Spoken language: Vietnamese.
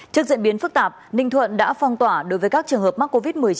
trước diễn biến phức tạp ninh thuận đã phong tỏa đối với các trường hợp mắc covid một mươi chín